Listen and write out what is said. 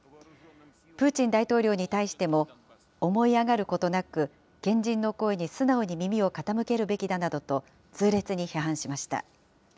プーチン大統領に対しても、思い上がることなく、賢人の声に素直に耳を傾けるべきだと、痛烈に批判しました。